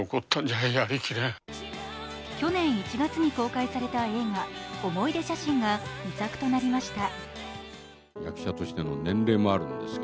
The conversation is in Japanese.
去年１月に公開された映画「おもいで写眞」が遺作となりました。